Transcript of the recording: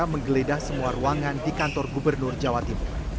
menggeledah semua ruangan di kantor gubernur jawa timur